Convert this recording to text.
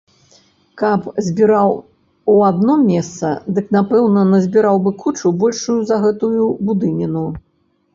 Каб збіраў у адно месца, дык напэўна назбіраў бы кучу, большую за гэтую будыніну.